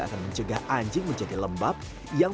akan mencegah anjing menjadi lembab yang